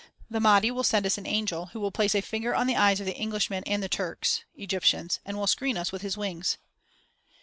"The Mahdi will send us an angel, who will place a finger on the eyes of the Englishmen and the Turks (Egyptians) and will screen us with his wings."